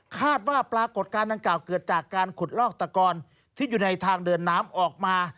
คาดว่าปรากฏการณ์ดังกล่าวเกิดจากการขุดลอกตะกอนที่อยู่ในทางเดินน้ำออกมา